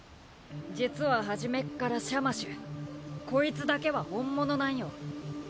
実は初めっからシャマシュコイツだけは本物なんよ。